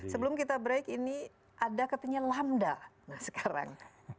sebelum kita break ini ada katanya lambda sekarang